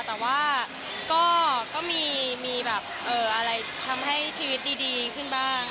แต่ว่าก็มีแบบอะไรทำให้ชีวิตดีขึ้นบ้าง